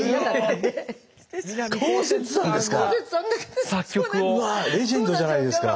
うわレジェンドじゃないですか！